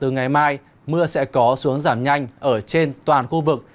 ngày mai mưa sẽ có xuống giảm nhanh ở trên toàn khu vực